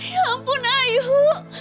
ya ampun ayu